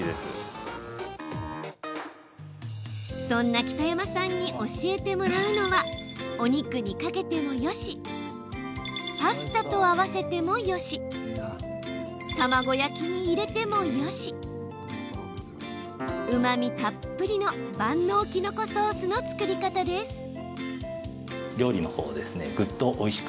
そんな北山さんに教えてもらうのはお肉にかけてもよしパスタと合わせてもよし卵焼きに入れてもよしうまみたっぷりの万能きのこソースの作り方です。